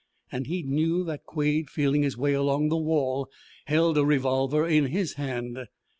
And he knew that Quade, feeling his way along the wall, held a revolver in his hand.